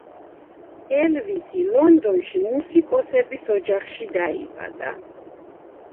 ელვისი ლონდონში მუსიკოსების ოჯახში დაიბადა.